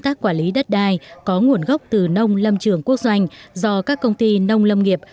tác quản lý đất đai có nguồn gốc từ nông lâm trường quốc doanh do các công ty nông lâm nghiệp